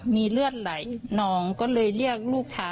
มีเลือดไหลน้องก็เลยเรียกลูกชาย